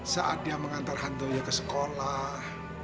saat dia mengantar hantu yuh ke sekolah